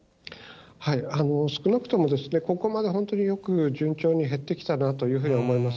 少なくともここまで本当によく順調に減ってきたなと思います。